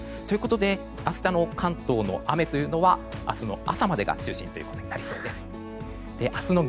ということで明日の関東の雨というのは明日の朝までが中心となりそうです。